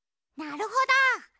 なるほど。